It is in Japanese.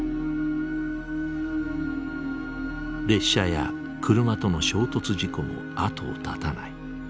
列車や車との衝突事故も後を絶たない。